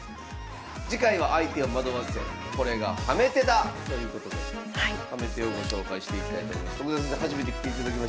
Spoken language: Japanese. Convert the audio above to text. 次回は「相手を惑わせ⁉これがハメ手だ」ということでハメ手をご紹介していきたいと思います。